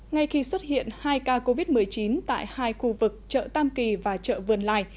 ngay khi xuất hiện hai ca covid một mươi chín tại hai khu vực chợ tam kỳ và chợ vườn lài